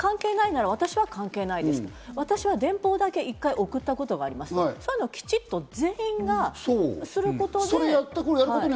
関係ないなら私は関係ないですと、私は電報だけ一回送ったことがありますと、全員がきちんとすることで。